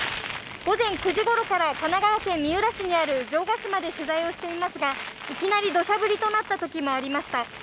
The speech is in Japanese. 午前９時ごろから神奈川県三浦市にある城ヶ島で取材をしていますが、いきなりどしゃ降りとなったときもありました。